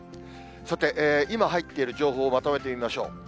さて、今、入っている情報まとめてみましょう。